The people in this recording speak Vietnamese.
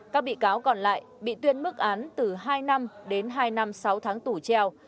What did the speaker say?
các bị cáo còn lại bị tuyên mức án từ hai năm đến hai năm sáu tháng tù treo